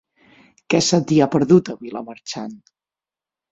Què se t'hi ha perdut, a Vilamarxant?